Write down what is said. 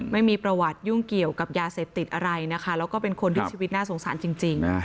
ไม่มีประวัติยุ่งเกี่ยวกับยาเสพติดอะไรนะคะแล้วก็เป็นคนที่ชีวิตน่าสงสารจริง